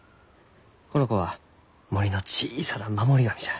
この子は森の小さな守り神じゃ。